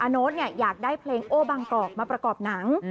โน๊ตอยากได้เพลงโอ้บางกอกมาประกอบหนัง